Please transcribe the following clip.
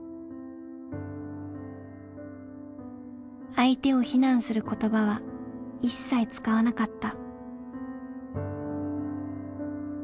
相手を非難する言葉は一切使わなかった。